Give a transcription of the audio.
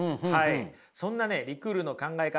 そんなねリクールの考え方